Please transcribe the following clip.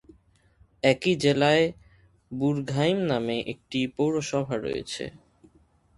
একই জেলায় বুরঘাইম নামে একটি পৌরসভা রয়েছে।